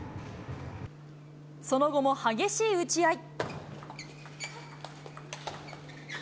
その後も激しい打ち合い。